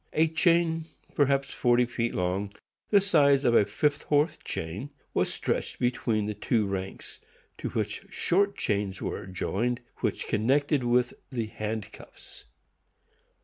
A chain perhaps forty feet long, the size of a fifth horse chain, was stretched between the two ranks, to which short chains were joined, which connected with the handcuffs.